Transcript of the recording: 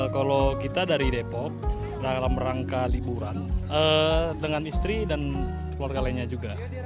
kalau kita dari depok dalam rangka liburan dengan istri dan keluarga lainnya juga